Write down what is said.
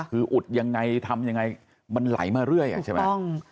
คืออุดยังไงทำยังไงมันไหลมาเรื่อยอ่ะใช่ไหม